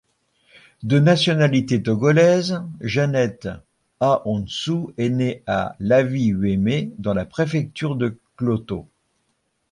De nationalité togolaise, Jeannette Ahonsou est née à Lavie-Huimé dans la préfecture du Kloto.